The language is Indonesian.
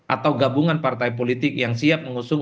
atau gabungan partai politik yang siap mengusung